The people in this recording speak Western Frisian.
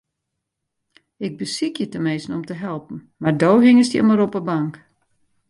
Ik besykje teminsten om te helpen, mar do hingest hjir mar op 'e bank.